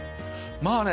まあね